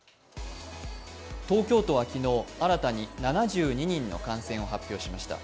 東京都は昨日、新たに７２人の感染を発表しました。